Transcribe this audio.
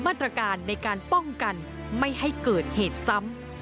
มาตรการในการป้องกันไม่ให้เกิดเหตุซ้ำ